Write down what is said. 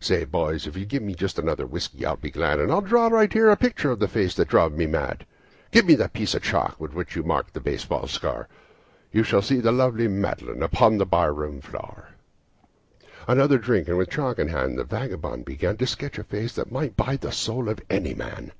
"Say, boys, if you give me just another whiskey I'll be glad, And I'll draw right here a picture of the face that drove me mad. Give me that piece of chalk with which you mark the baseball score You shall see the lovely Madeline upon the barroon floor." Another drink, and with chalk in hand, the vagabond began To sketch a face that well might buy the soul of any man.